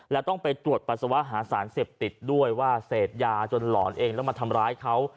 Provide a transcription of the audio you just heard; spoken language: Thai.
และต้องไปตรวจปัสสาวะหาสารเสพติดด้วยว่าเสพยาจนหลอนเองแล้วมาทำร้ายเขา